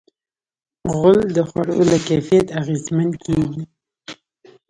غول د خوړو له کیفیت اغېزمن کېږي.